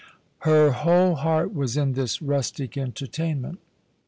Her whole heart was in this rustic entertain ment.